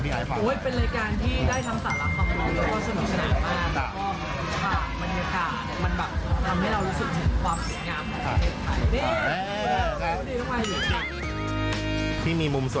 เห็นมาเที่ยว